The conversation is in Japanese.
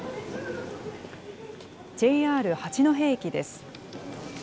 ＪＲ八戸駅です。